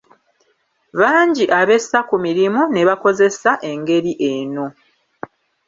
Bangi abessa ku mirimu ne bakozesa engeri eno.